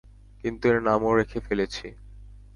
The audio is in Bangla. কিন্তু এর নামও রেখে ফেলেছি।